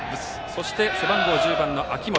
そして、背番号１０番の秋本。